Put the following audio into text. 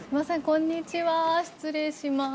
こんにちは失礼します。